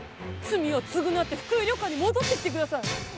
罪を償って福井旅館に戻ってきてください！